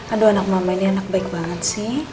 aduh anak mama ini anak baik banget sih